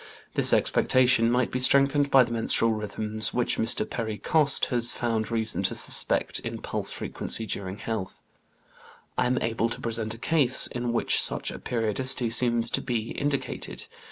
This expectation might be strengthened by the menstrual rhythm which Mr. Perry Coste has found reason to suspect in pulse frequency during health. I am able to present a case in which such a periodicity seems to be indicated.